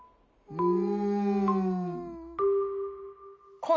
うん！